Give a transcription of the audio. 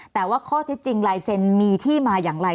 แต่ว่าข้อเท็จจริงลายเซ็นต์มีที่มาอย่างไร